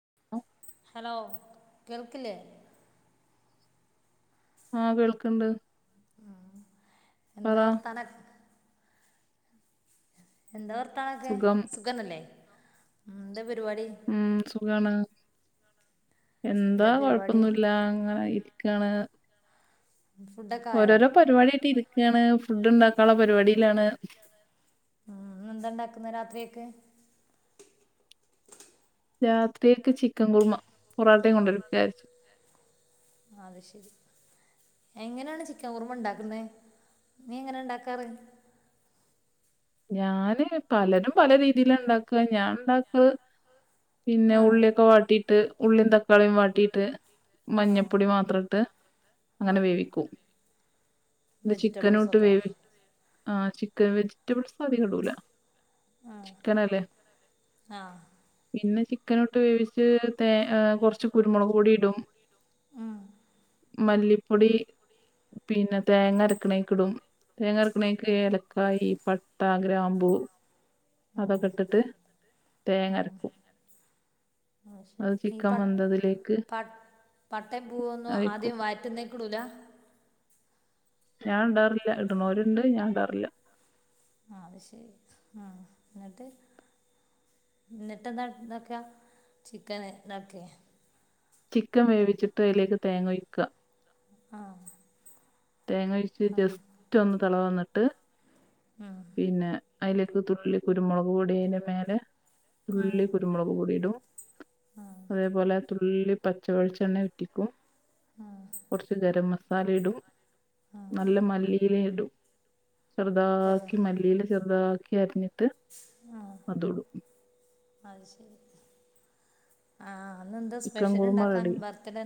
[unintelligible] Hello കേൾക്ക്ല്ലേ? ആഹ് കേൾക്ക്ണ്ട്. ആഹ് എന്താ വർത്താന എന്താ വർത്താനൊക്കെ? സുഖം സുഖന്നല്ലേ? ഉം ന്താ പരിപാടി? ഉം സുഖാണ്. എന്താ കൊഴപ്പൊന്നുല്ല അങ്ങനെയിരി ക്കാണ്. ഫുഡൊക്കെ ആയോ ഓരോരോ പരിപാടി ആയിട്ടി രിക്കാണ് ഫുഡ്ണ്ടാക്കാന്ള്ള പരിപാടീലാണ്. ഉം ന്നെന്താ ണ്ടാക്കുന്നെ രാത്രിയെക്ക്? രാത്രിയെക്ക് ചിക്കൻ കുറുമ. പൊറാട്ടെം കൊണ്ടരും. പൊറാട്ടെം കൊണ്ടരും അത് ശെരി. എങ്ങനാണ് ചിക്കൻ കുറുമ ണ്ടാക്കുന്നേ? നീ എങ്ങനാ ണ്ടാക്കാറ്? ഞാന് പലരും പല രീതിലാ ണ്ടാക്ക ഞാൻണ്ടാക്ക പിന്നെ ആ ഉള്ളിയൊക്കെ വാട്ടിട്ട് ഉള്ളിം തക്കാളിം വാട്ടിട്ട് ആ മഞ്ഞപ്പൊടി മാത്രട്ട് ആ അങ്ങനെ വേവിക്കും. ന്ട്ട് ചിക്കനൂട്ട് വെജിറ്റബിൾസൊക്കെ വേവി ആഹ് ചിക്കൻ വെജിറ്റബിൾസ് അതികടൂല. ചിക്കനല്ലെ. ആഹ് പിന്നെ ചിക്കനൂട്ട് വേവിച്ച് തേ ഏ കൊർച്ച് കുരുമുളക് പൊടി ടും ഉം, മല്ലിപ്പൊടി പിന്നെ തേങ്ങരക്ക്ണേക്ക്ടും. തേങ്ങരക്ക്ണേക്ക് ഏലക്കായി പട്ട, ഗ്രാമ്പു അതൊക്കെട്ടിട്ട് തേങ്ങരക്കും. അഅ് ശരി. ഈ പട് വെന്തതിലേക്ക് പട് പട്ടേം പൂവൊന്നും ഒഴിക്കും ആദ്യം വയറ്റുന്നേക്കിടൂല? ഞാൻ ടാറില്ല ഇടുണോര്ണ്ട്. ഞാൻ ടാറില്ല. ആഹ് അത് ശരി ആഹ് ന്ന്ട്ട്? ന്ന്ട്ടെന്താ താക്ക ചിക്കന് താക്കെ? ചിക്കൻ വേവിച്ചിട്ട് അയിലേക്ക് തേങ്ങൊയ്ക്ക. ആഹ്. തേങ്ങ ഒഴിച്ച് ജസ്റ്റൊന്ന് തെള വന്നിട്ട് പിന്നെ അയിലേക്ക് തുള്ളി കുരുമുളക് പൊടി അയിൻ്റെ മേലെ തുള്ളി കുരുമുളക് പൊടിയിടും അതേപോലെ തുൾ തുള്ളി പച്ചവെളിച്ചെണ്ണ ഉറ്റിക്കും കൊർച്ച് ഗരം മസാലേടും നല്ല മല്ലിയിലേടും. ചെറുതാക്കി മല്ലിയില ചെറുതാക്കി അരിഞ്ഞ്. ആഹ് അഅ് ശെരി. ആഹ് അന്ന്ന്താ ചിക്കൻ സ്പെഷ്യല് കുറുമ ണ്ടാക്കാൻ റെഡി ബർത്ത്ഡേ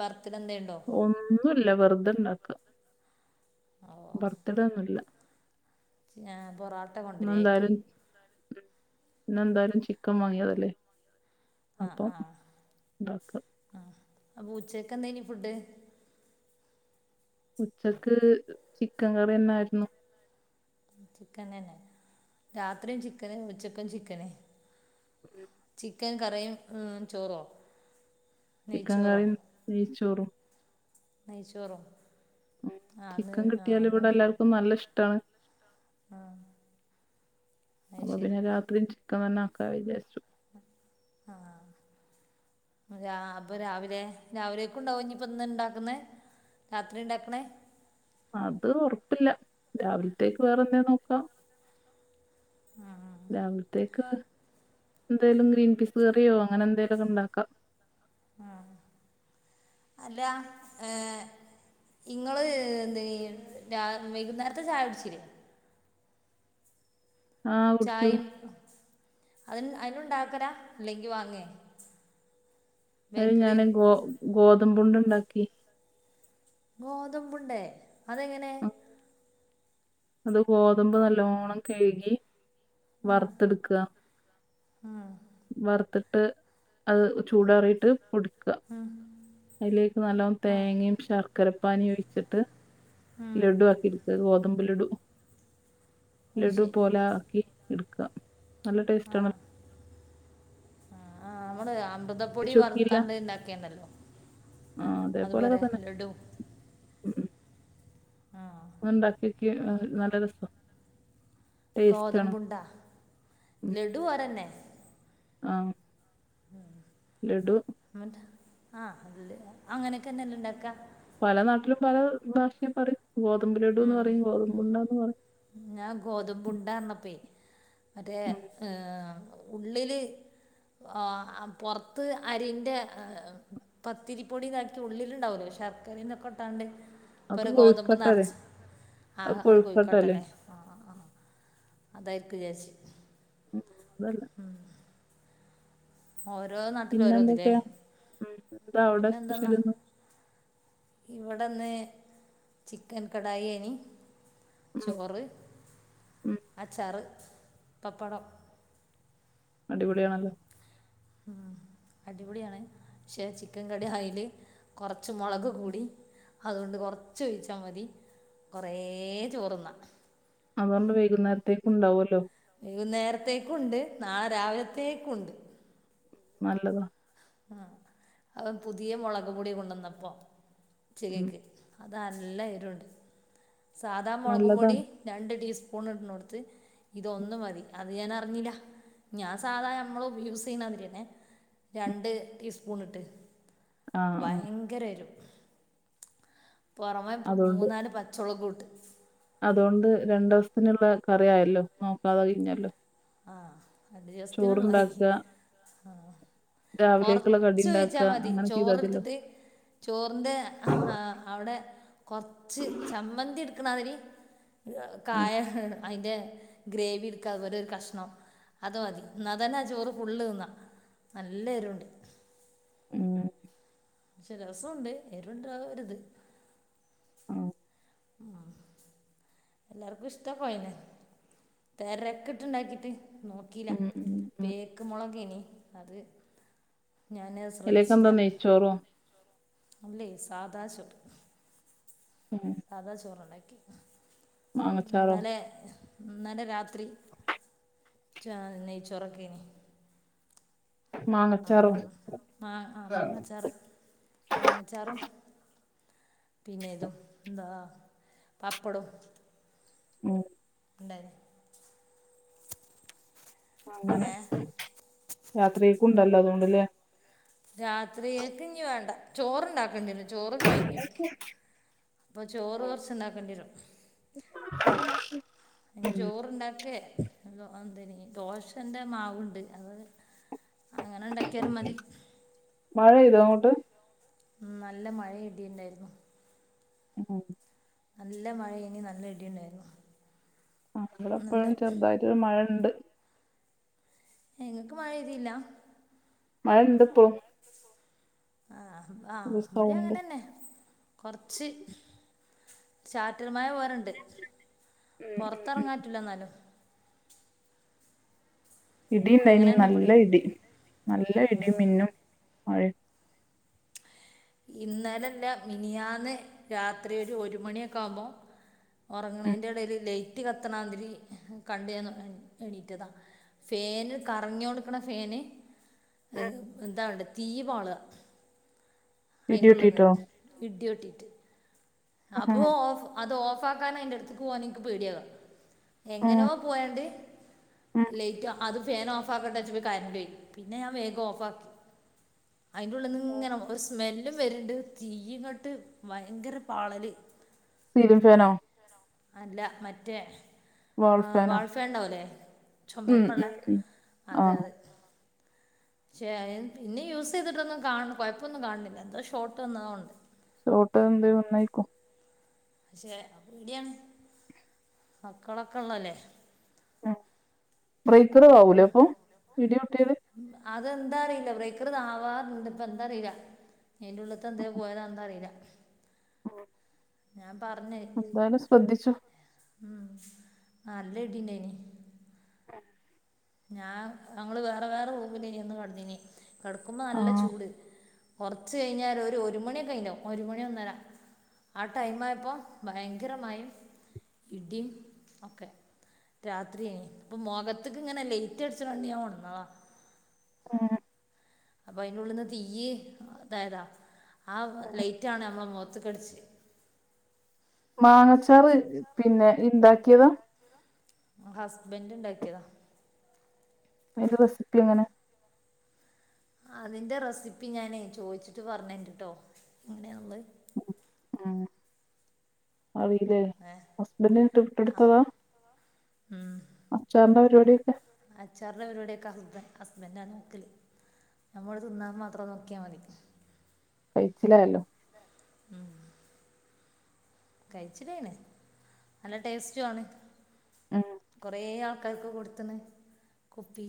ബർത്ത്ഡ ന്തേണ്ടോ? ഒന്നുല്ല വെർതെണ്ടാക്ക. ഓ ബർത്ത്ഡേ ഒന്നുല്ല. ഞാ പൊറാട്ട കൊണ്ടരേഅയിക്ക്. ഇന്നെന്തായാലും ഇന്നെന്തായാലും ചിക്കൻ വാങ്ങിയതല്ലേ. ആഹ് അപ്പം ആഹ് ഉണ്ടാക്കുക ആഹ് അപ്പ ഉച്ചക്കെന്തേനി ഫുഡ്? ഉച്ചക്ക് ചിക്കൻ കറി എന്നായിരുന്നു. ചിക്കൻ തന്നെ രാത്രിയും ചിക്കന് ഉച്ചക്കും ചിക്കന് ചിക്കൻ കറിയും ഉം ചോറോ ചിക്കൻ നെയ്ച്ചോറോ കറിയും നെയിച്ചോറും നെയ്ച്ചോറും ഉം ആ അന്ന് ചിക്കൻ ആ കിട്ടിയാല് അന്ന് ഇവിടെല്ലാർക്കും നല്ലഷ്ടാണ് ആഹ് അപ്പൊ പിന്നെ രാത്രിം ചികം തന്നെ ആക്കാ വിചാരിച്ചു ആഹ് രാ അപ്പൊ രാവിലെ രാവിലെയ്ക്ക്ണ്ടാവോ ഞ്ഞ്പ്പോ ഇന്ന്ണ്ടാക്ക്ന്നേ രാത്രി ണ്ടാക്ക്ണേ അത് ഒർപ്പില്ല രാവിൽത്തേക്ക് വേറെന്തേ നോക്കാ രാവിൽത്തെ ക്കാ ന്തേലും ഗ്രീൻ പീസ് കറിയോ അങ്ങനെന്തേലു ഒക്കെ ഇണ്ടാക്കാ ആഹ് അല്ല ഏ ഇങ്ങള് എന്തേന് രാ വൈകുന്നേരത്തെ ചായ കുട്ച്ചീല്ലെ ആ കുടിച്ചു ചായും അതിന് അയ്നുണ്ടാക്കലാ അല്ലെങ്കി വാങ്ങേ അത് ബേക്കറി ഞാന് ഗോ ഗോതമ്പുണ്ട ണ്ടാക്കി ഗോതമ്പുണ്ടേ അതെങ്ങനെ ഉം. അത് ഗോതമ്പ് നല്ലണ്ണം കഴുകി ആ വർത്തെട്ക്ക വർത്തിട്ട് അത് ചൂടാറിയിട്ട് പൊടി ക്ക അയിലേക്ക് നലോം തേങ്ങേം ശർക്കരപ്പാനിം ഒഴിച്ചിട്ട് ലഡു ആക്കിട്ക്ക ഗോതമ്പ് ലിഡും അത് ലഡു ശരി പോലെ ആക്കി ട്ക്ക ആഹ് ആഹ് നമ്മള് അമൃത പൊടി കഴിച്ച് നോക്കിയില്ല വറുത്താണ്ട് ഇണ്ടാക്കേണ്ടല്ലേ ആ അതേപോലെയൊക്കെ അതുപോരെ തന്നെ ലഡു ആ ഒന്ന്ണ്ടാക്ക്യോക്കി എ നല്ല രസം ടേസ്റ്റാണ് ഗോതമ്പുണ്ട ലഡു വേറെന്നെ ആഹ് ലഡു എന്ന്ട്ട് ആഹ് അങ്ങനെക്കെന്നെല്ലെ ണ്ടാക്ക പല നാട്ടിലും പല ഭാഷിം പറിം ഗോതമ്പ് ലടുന്ന് പറിം ഗോതമ്പുണ്ടന്ന് പറിം ഞാ ഗോതമ്പുണ്ടാ ർനപ്പേ മറ്റേ ഉം. എഹ് ഉള്ളില് ആഹ് പൊർത്ത് അരിൻ്റെ ഹ് പത്തിരിപ്പൊടി താക്കി ഉള്ളില്ണ്ടാവൂലെ ശർക്കരതൊക്കെ ഇട്ടാണ്ട് ഇപ്പൊ അത് ഒരു ഗോതമ്പ് കൊഴുക്കട്ടല്ലേ നറച്ച് ആഹ് അത് കൊഴുക്ക ആഹ് ആഹ് അതായിര്ക്കു വിചാര്ച്ച് ഉം വെല്ല ഉം ഓരോ നാട്ടില് പിന്നെ ഓരോത് ലെ എന്തൊക്കെയാ ഉം എന്താ അവിടെ പിന്നെ സ്പെഷ്യൽ എന്താന്നാ ഇന്ന് ഇവടെന്ന് ചിക്കൻ കടായെനി ഉം, ചോറ് ഉം. അച്ചാറ് പപ്പടം അടിപൊളിയാണല്ലോ ആഹ് അടിപൊളിയാണ് പക്ഷേ ചിക്കൻ കട് ആയില് കൊറ്ച്ച് മുളക് കൂടി അതുകൊണ്ട് കൊറച്ച് ഒഴിച്ചാ മതി കൊറേ ചോറ്ന്ന അതോണ്ട് വൈകുന്നേരത്തേക്ക്ണ്ടാവുല്ലോ വൈകുന്നേരത്തേക്കുണ്ട് നാളെ രാവിലത്തേക്കുണ്ട് നല്ലതാ ആഹ് അത് പുതിയ മുളക് പൊടി കൊണ്ടന്നപ്പോ ഉം, ച്ചക്കേക്ക് അതല്ല എരുണ്ട് സാധാ മുളകു പൊടി നല്ലതാണ് രണ്ട് ടീസ്പൂൺ ഇട്ണോട്ത്ത് ഇതൊന്ന് മതി അത് ഞാനറിഞ്ഞില്ല ഞാൻ സാധാ നമ്മള് ഉ യൂസെയ്യ്ണ്ടാതിരിയന്നെ ഉം. ര ണ്ട് ടീസ്പൂണ്‌ട്ട് ആ ആ ഭയങ്കര എരു. പൊറമേ പു മൂന്നാല് പച്ചൊളകുട്ട്. അതോണ്ട് രണ്ടൂസ്ത്തിനുള്ള കറിയായല്ലോ നോക്കാതെ കഴിഞ്ഞല്ലോ. ആഹ് രണ്ട് ദിവസ്ത്തിനുള്ളായി ചോറുണ്ടാക്കുക ആഹ്. രാവിലേക്കുള്ള കടി കൊറച്ച് ഒഴിച്ചാ ഉണ്ടാക്കുക മതി അങ്ങനെ ചെയ്താൽ മതിയല്ലോ ചോറെട്ത്തിട്ട്. ചോറിന്റെ ആഹ അവിടെ കൊർച്ച് ചമ്മന്തിട്ക്ക്ണമാതിരി. ഇഹ് ഉം കായ അതിന്റെ ഗ്രേവി ഇട്ക്കാ അതുപോലൊരു കഷ് ണം അതുമതി ഇന്നാ തന്നെ ആ ചോറ് ഫുള്ള് ത്ന്നാ നല്ലെരുവുണ്ട്. ഉം. പക്ഷെ രസുണ്ട് എരുണ്ട ഒര്ത്. മ് ആഹ്. എല്ലാർക്കും ഇഷ്ട്ടം പോയിനെ തെരക്ക്ട്ട് ഇണ്ടാക്കിട്ട് നോ ക്കീല പേക്ക് മൊളകേനി അത് ഞാന് ഇതിലേക്ക് എന്താ ശ്രദ്ധിച്ചില നെയ്ച്ചോറോ അല്ലേ സാദാ ചോറ് ഉം. സാദാ ചോറുണ്ടാക്കി മാങ്ങച്ചാറോ ഇന്നലെ. ഇന്നലെ രാത്രി ചോ നെയ്ച്ചോറെക്കേനി. അപ്പൊ മാങ്ങച്ചാറോ മാങ്ങച്ചാറും ആ ആഹ് മാങ്ങച്ചാറ് മാങ്ങച്ചാറും. പിന്നെതും ഇതും എന്താ പപ്പടോം ഉം. ഇണ്ടായിരു. അങ്ങനെ ഏ രത്രിയ്ക്കുണ്ടല്ലോ അതോണ്ട്ല്ലേ? രാത്രിയേക്ക്ഞ്ഞി വേണ്ട ചോർണ്ടാക്കണ്ടി വരും. ചോറ് കയ്ഞ്ഞു അപ്പൊ ചോറ് കൊർച്ച്ണ്ടാക്കണ്ടി വരും. [inaudible] ൻ ചോറ്ണ്ടാക്കെ. എന്ത അഎന്തേനി ദോശന്റെ മാവ്ണ്ട് അത് അങ്ങനെണ്ടാ ക്ക്യാലും മതി മഴ പെയ്തോ അങ്ങോട്ട് ഉം നല്ല മഴെ ഇടീം ഉണ്ടായിരുന്നു ഉം. നല്ല മഴേനി നല്ല ഇടിണ്ടായിരുന്നു. ആ ഇവ്ടെ ഇപ്പഴും ചെറുതായിട്ടൊരു മഴണ്ട്. ഏ ഇങ്ങക്ക് മഴെയ്തില്ല? മഴണ്ട്പ്പോ. ആഹ് ആഹ് ഒരു ഇവടി സൗണ്ട് അങ്ങനെന്നെ. കൊർച്ച് ചാറ്റൽമഴ പോരെണ്ട് ഉം ഉം ഉം പൊറത്തെർങ്ങാ. ഇല്ലന്നാലും. ഇടിണ്ടേനി അങ്ങനെ തന്നെ നല്ല ഇവിടെ ഇടി നല്ല ഇടിം മിന്നും മഴേം ഇന്നലെല്ല മിനിയാന്ന് രാത്രി ഒരു ഒരു മണിയൊക്കെ ആവുമ്പോ. ഉം. ഒറങ്ങണേന്റെ ടെൽ ലൈറ്റ് കത്ത്ണാതിരി കണ്ട് ഞാൻ എണീറ്റതാ ഫേൻ കറങ്ങിയോണ്ട്ക്ക്ണ ഫേൻ ഉം. എൻതാവ്ണ്ട് തീ പാള്ക ഇടി അയിന്റുള്ള്ന്ന് വെട്ടിട്ടോ ഇടി വെട്ടിട്ട് അപ്പൊ ഉം ഓഫ് അത് ഓഫാക്കാൻ അയ്ന്റെട്ത്ത്ക്ക് പോവാൻ ഇൻക്ക് പേടിയാവാ ഉം എങ്ങനോ പോയാണ്ട് ഉം ലൈറ്റ് അത് ഫേൻ ഓഫ് ഫാക്കട്ടേച്ചപ്പൊ കരന്റോയി പിന്നെ ഞാൻ വേഗം ഓഫാക്കി അയ്ന്റെള്ള്ന്ന്ങ്ങനെ സ്മെല്ലും വര്ണ്ട് തീ ഇങ്ങട്ട് ഭയങ്കര പാളല് സീലിങ് ഫാനോ അല്ല മറ്റെ വാൾ ആ ഫാനോ വാൾഫേൻണ്ടാവുലെ ഉം ചുമര്മള്ളെ ഉം ഉം ആ അതെ അതെ ഷെ പിന്നെ യൂസ് ചെയ്തിട്ടൊന്നും കാൺ കുഴപ്പൊന്നും കാണുന്നില്ല എന്താ ഷോർട്ട്ന്നതാവ്ണ്ട് ഷോട്ട് എന്താ വന്നായിക്കും പക്ഷെ പേടിയാണ് മക്കളൊക്കെ ഇള്ളല്ലേ ബ്രേക്കർ ആവൂലേ ഇപ്പം അപ്പൊ ഇടി വിട്ടിയല് അതെന്താ അറിയില്ല ബ്രേക്കർ ഇത് ആവാറുണ്ട് ഇപ്പ എന്താറിയില്ല അയ്ന്റുള്ളത്ത് എന്തേ പോയതാന്ന അറിയില്ല [inaudible] ഞാൻ പറഞ്ഞ് എന്തായാലും ശ്രദ്ധിച്ചോ ആ അല്ലെടിണ്ടായിനി ആ ഞാൻ ഞങ്ങള് വേറെ വേറെ റൂമിലേനി കെടന്നിനി കെടക്കുമ്പോ ആ നല്ല ചൂട് കുറച്ച് കഴിഞ്ഞാൽ ഒരു മണിയൊക്കെ കയിഞ്ഞു ഒരു മണി ഒന്നര ആ ടൈമായപ്പോ ഭയങ്കര മായേം ഇഡിയും ഒക്കെ രാത്രിയേ അപ്പോ മൊഖത്ത് ഇങ്ങനെ ലേറ്റ് അടിച്ചണ കണ്ടിന് ഒണന്നതാ ആഹ് അപ്പൊ അയിന്റെ ഉള്ളിന്ന് തീയ് ഇതായതാ ആ ലൈറ്റാണ് നമ്മള മൊഖ ത്ത്കടിച്ച് മാങ്ങച്ചാർ പിന്നെ ഇണ്ടാക്കിയത് ഹസ്ബന്ഡ് ഇണ്ടാക്കിയതാ അതിൻ്റെ റെസിപ്പി എങ്ങനെ അതിന്റെ റെസിപ്പി ഞാനേ ചോദിച്ചിട്ട് പറഞ്ഞണ്ട് കേട്ടോ എങ്ങനെയാണത് ഉ ആണ്ല്ലേ ഏ ഹസ്ബൻഡ് [unintelligible] ആ വിട്ടെടുത്തതാ ഉം. അച്ചാറിൻ്റെ പരിപാടിയൊക്കെ അച്ചാറിൻ്റെ പരിപാടിയൊക്കെ ഹസ്ബൻ ഹസ്ബൻറാ നോക്കല് നമ്മള് തിന്നാൻ മാത്രം നോക്കിയാ മതി കയ്ച്ചിലായല്ലോ കയ്ച്ചിലായ്ന് നല്ല ടേസ്റ്റു ആണ് ഉം കൊറെ ആൾക്കാർക്ക് കൊടുത്ത്ണ് കുപ്പി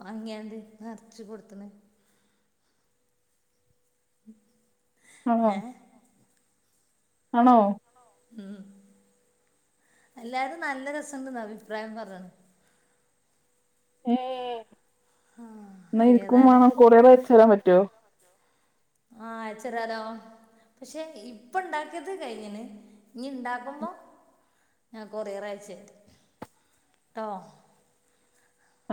വാങ്ങിയാണ്ട് നെറച്ച് കൊടുത്തണ് ആണോ ഏഹ് ആണോ ഉം എല്ലാരും നല്ല രസംണ്ടെന്ന അഭിപ്രായം പറഞ്ഞണ് ഏ എന്നാ ഇനിക്കും ഏതായാലും വേണം കൊറിയർ അയച്ച തരാൻ പറ്റുവോ ആഹ് അയച്ച് തരാല്ലോ പക്ഷെ ഇപ്പൊ ഇണ്ടാക്കിയത് കഴിഞ്ണ് ഇനി ഇണ്ടാക്കുമ്പോ ഞാൻ കൊറിയർ അയച്ച് തരണ്ട് ട്ടോ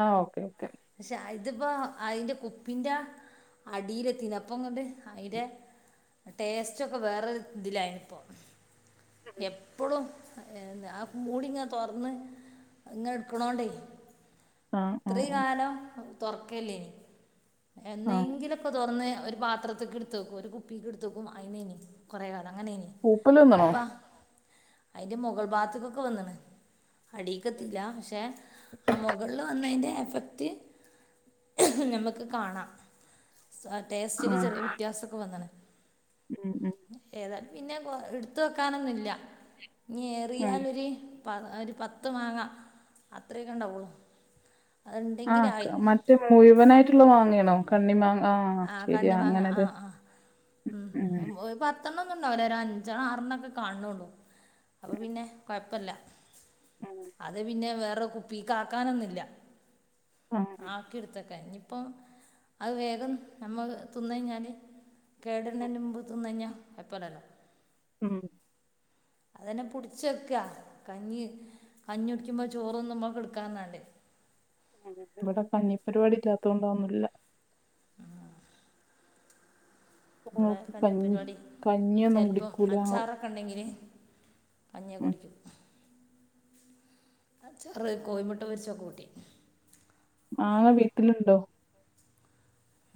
ആഹ് ഓക്കേ ഓക്കെ പക്ഷെ ഇതിപ്പോ അയ്ന്റെ കുപ്പിന്റെ അടിയിലെത്തിണ് അപ്പങ്ങണ്ട് അയിന്റെ ടേസ്റ്റ് ഒക്കെ വേറെ ഇതിലായിന് ഇപ്പൊ എപ്പളും ആ മൂടിങ്ങെനെ തുറന്ന് ഇങ്ങ എടുക്കണോണ്ടേ ആഹ് അങ്ങനെ ഇത്രയും കാലം തുറക്കലില്ലേനിം ആ എന്നെങ്കിലും കാലം ക്കെ തുറന്ന് ഒരു പത്രത്തിലക്ക എടുത്ത് വക്ക ഒരു കുപ്പിക്ക് എടുത്ത്യ്ക്കും അതിനന കുറേ കാലം അങ്ങന തന പൂപ്പല് നിന്നണോ അയ്ന്റെ മുകൾ ഭാഗത്ത്ക്കൊക്കെ വന്നണ് അടിക്കെത്തില്ല പക്ഷെ ആ മുകളിൽ വന്നതിന്റെ എഫ ക്ട് നമുക്ക് കാണാം ആ ടേസ്റ്റില് ചെറിയ വ്യത്യാസൊക്കെ വന്നണ് ഉം ഉം ഏതാലും പിന്നെ എടുത്ത് വെക്കാനൊന്നുല്ല ഇനി ആ ഏറിയാലൊര് പ ഒരു പത്ത് മാങ്ങ അത്രയേക്കെ ഉണ്ടാവുള്ളൂ ആക്ക് അതുണ്ടെങ്കിലായി മറ്റേ മുഴുവനായിട്ടുള്ള മാങ്ങണോ കണ്ണിമാങ്ങ ആ ശരിയാ കണ്ണിമാങ്ങ ആ അങ്ങനലെ ഉം പത്തെണ്ണോന്നും ഉണ്ടാവൂല ഒരു അഞ്ചെ ആരെണ്ണം ഒക്കെ കാണുന്നുള്ളൂ അപ്പൊ ഉം, പിന്നെ കൊഴപ്പല്ല ഉം, അത് പിന്നെ വേറെ കുപ്പിക്ക് ആക്കാനൊന്നുല്ല ആ ആഹ് കി എടുത്തക്കാൻ ഇനിയിപ്പ അഹ് വേഗം നമ്മള് തിന്ന് കഴിഞ്ഞാല് ഉം കേടരുന്നതിന് മുമ്പ് തിന്നഴിഞ്ഞാൽ കൊഴപ്പല്ലല്ലോ ഉം ! ! അതന്നെ പുടിച്ചെക്കാ കഞ്ഞി കഞ്ഞി കുടിക്കുമ്പോ ചോറ്ന്നുമ്പോ ഒക്കെ എടുക്കാർഞാണ്ട്‌ ഇവിടെ കഞ്ഞി പരിപാടി ഇല്ലാത്തത് കൊണ്ട് അതൊന്നുല്ല ഇബടെ ഞങ്ങൾക്ക് കഞ്ഞി കഞ്ഞിപ്പരിപാടി കഞ്ഞിയൊന്നും ചിലപ്പം കുടിക്കൂല അച്ചാറ ഞങ്ങള് ണെങ്കില് കഞ്ഞി ഒക്കെ കുടിക്കും അച്ചാറ് കോഴി മുട്ട പൊരിച്ചൊക്കെ കൂട്ടി മാങ്ങ വീട്ടിലുണ്ടോ?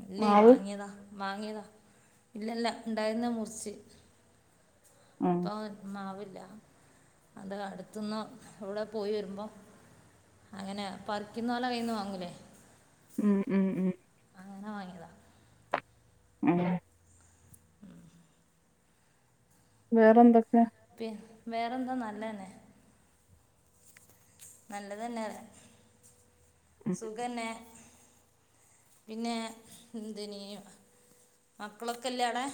ഇല്ലേ മാവ് വാങ്ങിയതാ വാങ്ങിയതാ ഇല്ലല്ല ഉണ്ടായിരുന്ന മുറിച്ച് ആഹ് [unintelligible] മാവില്ല അതാ അടുത്തന്ന് എവിടെ പോയി വരുമ്പോ അങ്ങനെ പറിക്കുന്നോലെ കൈന്ന് വാങ്ങുല്ലേ ഉം ഉം ഉം അങ്ങനെ വാങ്ങിയതാ ഉം വേറെ എന്തൊക്കെ പിൻ വേറെന്താ നല്ലന്നെ നല്ലതന്നെ അറിയാ സുഖന്നെ പിന്നെ എന്തെനി മക്കളൊക്കെ ഇല്ലവടെ